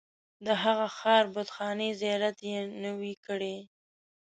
د هغه ښار بتخانې زیارت یې نه وي کړی.